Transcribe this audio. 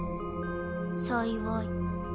幸い。